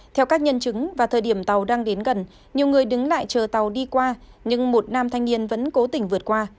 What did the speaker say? theo các nhân chứng vào thời điểm tàu đang đến gần nhiều người đứng lại chờ tàu đi qua nhưng một nam thanh niên vẫn cố tình vượt qua